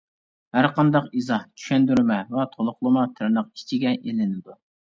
ھەر قانداق ئىزاھ، چۈشەندۈرمە ۋە تولۇقلىما تىرناق ئىچىگە ئېلىنىدۇ.